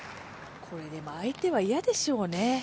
相手は嫌でしょうね。